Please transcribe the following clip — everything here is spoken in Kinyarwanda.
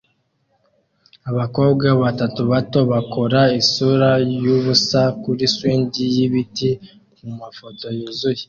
Abakobwa batatu bato bakora isura yubusa kuri swing yibiti kumafoto yuzuye